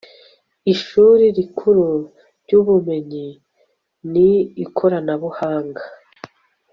ishuri rikuru ry ubumenyi n ikoranabuhanga